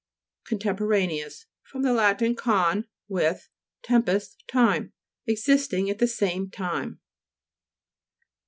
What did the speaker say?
CONTEMPORANEOUS fr. lat. con, with, tempus, time. Existing at the same time.